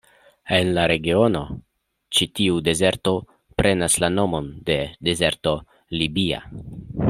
En la regiono, ĉi tiu dezerto prenas la nomon de dezerto Libia.